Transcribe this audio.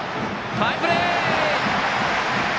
ファインプレー！